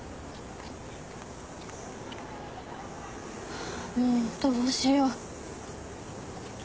ハァもうどうしよう。